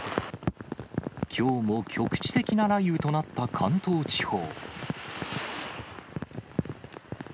きょうも局地的な雷雨となった関東地方。